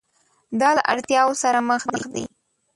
دا له اړتیاوو سره مخ دي.